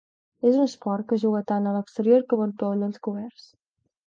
És un esport que es juga tant a l'exterior com en pavellons coberts.